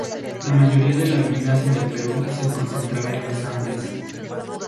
La mayoría de las minas en el Perú se concentra en los Andes.